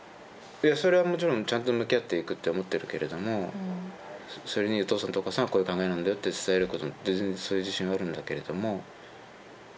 それはもちろんちゃんと向き合っていくって思ってるけれどもそれに「お父さんとお母さんはこういう考えなんだよ」って伝えることだって全然そういう自信はあるんだけれども。